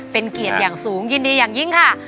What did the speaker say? เป็นเกียรติอย่างสูงยินดีอย่างยิ่งค่ะ